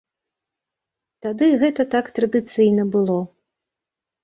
Тады гэта так традыцыйна было.